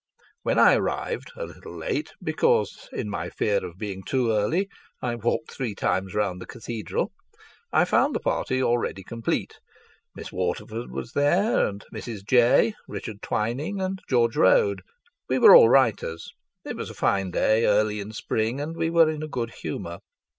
When I arrived, a little late, because in my fear of being too early I had walked three times round the cathedral, I found the party already complete. Miss Waterford was there and Mrs. Jay, Richard Twining and George Road. We were all writers. It was a fine day, early in spring, and we were in a good humour.